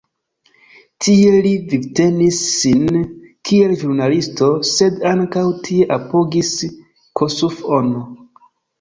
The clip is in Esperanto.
Tie li vivtenis sin, kiel ĵurnalisto, sed ankaŭ tie apogis Kossuth-on.